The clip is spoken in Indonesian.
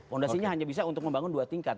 fondasinya hanya bisa untuk membangun dua tingkat